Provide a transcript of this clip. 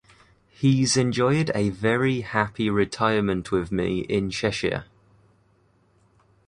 He's enjoyed a very happy retirement with me in Cheshire.